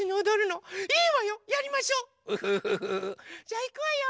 じゃあいくわよ！